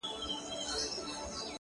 ه ياره د څراغ د مــړه كولو پــه نـيت؛